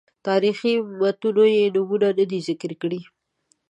تاریخي متونو یې نومونه نه دي ذکر کړي.